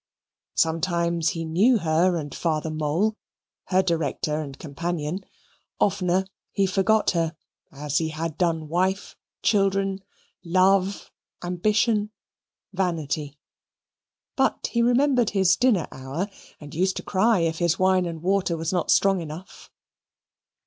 Sometimes he knew her and Father Mole, her director and companion; oftener he forgot her, as he had done wife, children, love, ambition, vanity. But he remembered his dinner hour, and used to cry if his wine and water was not strong enough.